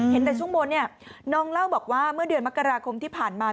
เห็นแต่ช่วงบนเนี่ยน้องเล่าบอกว่าเมื่อเดือนมกราคมที่ผ่านมา